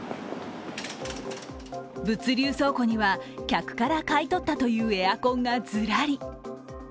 物流倉庫には客から買い取ったというエアコンがずらり。